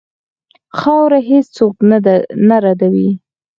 خاوره هېڅ څوک نه ردوي.